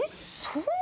そう？